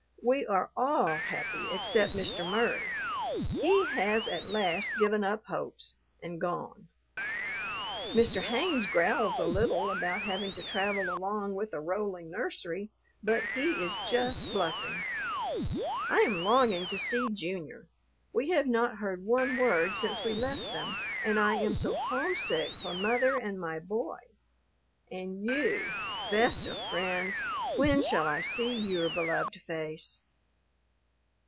We are all happy except Mr. Murry; he has at last given up hopes, and gone. Mr. Haynes growls a little about having to travel along with a rolling nursery, but he is just bluffing. I am longing to see Junior. We have not heard one word since we left them, and I am so homesick for mother and my boy. And you, best of friends, when shall I see your beloved face?